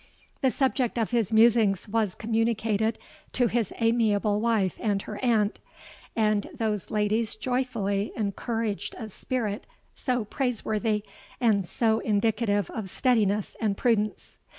The subject of his musings was communicated to his amiable wife and her aunt; and those ladies joyfully encouraged a spirit so praiseworthy and so indicative of steadiness and prudence.